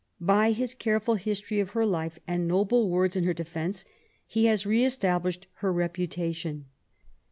By his careful history of her life, and noble words in her defence, he has re established her reputation.